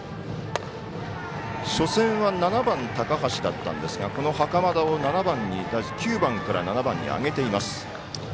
初戦は７番、高橋だったんですがこの袴田を９番から７番に上げています。